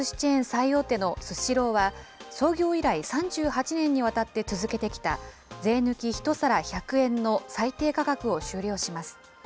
最大手のスシローは、創業以来３８年にわたって続けてきた税抜き１皿１００円の最低価格を終了します。